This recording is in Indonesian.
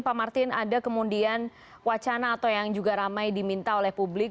pak martin ada kemudian wacana atau yang juga ramai diminta oleh publik